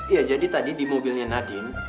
iya jadi tadi di mobilnya nadine